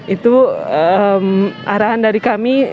itu arahan dari kami